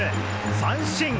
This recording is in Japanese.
三振！